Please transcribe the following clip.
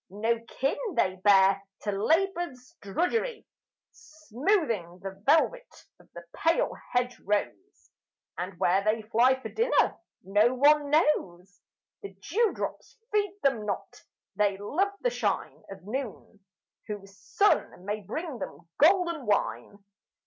No kin they bear to labour's drudgery, Smoothing the velvet of the pale hedge rose; And where they fly for dinner no one knows The dew drops feed them not they love the shine Of noon, whose sun may bring them golden wine.